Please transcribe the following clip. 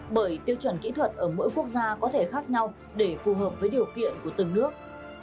bởi tiêu chuẩn kỹ thuật ở mỗi quốc gia có thể khác nhau để phù hợp với điều kiện của từng nước